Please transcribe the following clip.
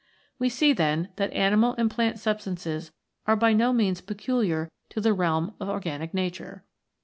We see, then, that animal and plant sub stances are by no means peculiar to the realm of organic nature.